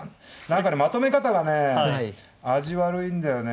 だからまとめ方がね味悪いんだよね。